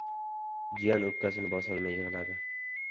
Jiyan o‘pkasini bosolmay yig‘ladi.